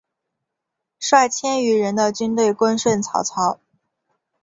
率千余人的军队归顺曹操。